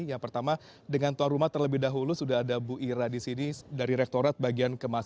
yang pertama dengan tuan rumah terlebih dahulu sudah ada bu ira di sini dari rektorat bagian kemasan